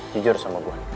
jujur sama gue